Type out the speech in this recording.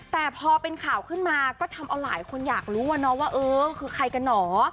แต่พอเป็นข่าวขึ้นมาก็ทำเอาหลายคนอยากรู้ว่าเออคือใครกันเหรอ